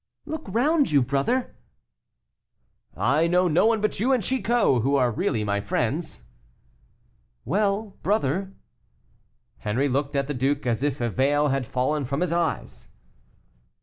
"Look round you, brother." "I know no one but you and Chicot who are really my friends." "Well, brother." Henri looked at the duke as if a veil had fallen from his eyes.